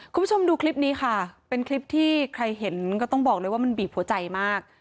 คุณผู้ชมดูคลิปนี้ค่ะเป็นคลิปที่ใครเห็นก็ต้องบอกเลยว่ามันบีบหัวใจมาก